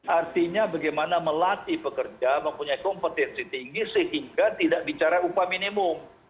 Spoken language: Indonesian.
artinya bagaimana melatih pekerja mempunyai kompetensi tinggi sehingga tidak bicara upah minimum